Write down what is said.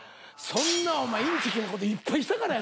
そんなお前インチキなこといっぱいしたから。